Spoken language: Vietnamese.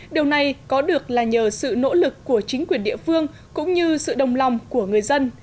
điều này có được là nhờ sự nỗ lực của chính quyền địa phương cũng như sự đồng lòng của người dân